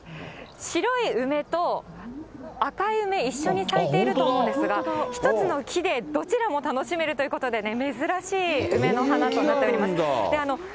白い梅と、赤い梅、一緒に咲いていると思うんですが、１つの木でどちらも楽しめるということでね、珍しい梅の花となっております。